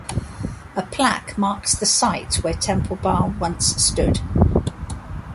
A plaque marks the site where Temple Bar once stood.